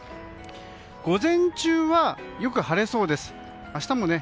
午前中はよく晴れそうです。